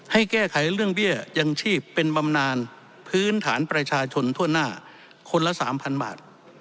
ให้แก้ไขเรื่องเบี้ยยังชีพเป็นบำนานพื้นฐานประชาชนทั่วหน้าคนละ๓๐๐บาท